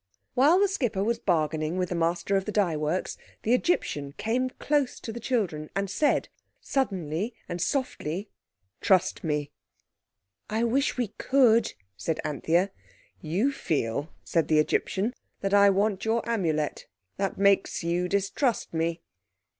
While the skipper was bargaining with the master of the dye works the Egyptian came close to the children, and said, suddenly and softly— "Trust me." "I wish we could," said Anthea. "You feel," said the Egyptian, "that I want your Amulet. That makes you distrust me."